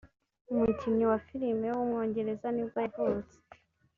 umukinnyi wa filime w’umwongereza ni bwo yavutse